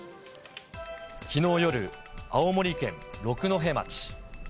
きのう夜、青森県六戸町。